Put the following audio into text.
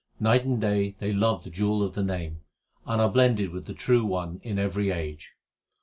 Night and day they love the jewel of the Name, and are blended with the True One in every age.